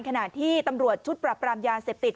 ขณะที่ตำรวจชุดปรับปรามยาเสพติด